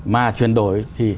mà chuyển đổi thì